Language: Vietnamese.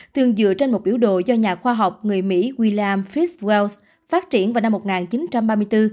thường dựa trên một biểu đồ do nhà khoa học người mỹ william fitzwell phát triển vào năm một nghìn chín trăm ba mươi bốn